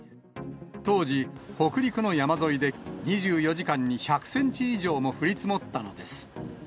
当時、北陸の山沿いで２４時間に１００センチ以上も降り積もったのです。